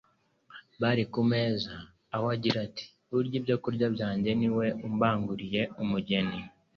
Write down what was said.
bari ku meza aho agira ati : "Urya ibyo kurya byanjye ni we umbanguriye umugeri.'"